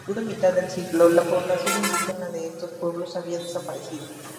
En la segunda mitad del siglo la población indígena de estos pueblos había desaparecido.